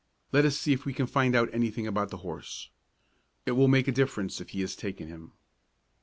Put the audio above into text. Let us see if we can find out anything about the horse. It will make a difference if he has taken him."